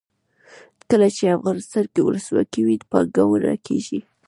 کله چې افغانستان کې ولسواکي وي پانګونه کیږي.